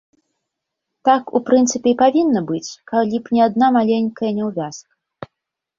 Так, у прынцыпе, і павінна быць, калі б не адна маленькая няўвязка.